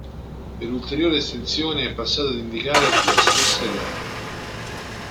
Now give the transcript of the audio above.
Per ulteriore estensione è passato ad indicare la stessa gara.